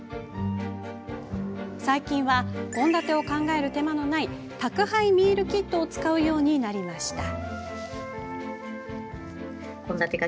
最近は献立を考える手間のない宅配ミールキットを使うようになりました。